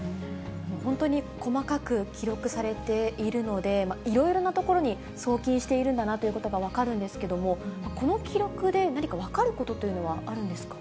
本当に細かく記録されているので、いろいろなところに送金しているんだなということが分かるんですけども、この記録で何か分かることというのはあるんですか。